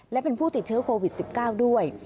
และเป็นผู้ติดเชื้อโควิด๑๙ด้วย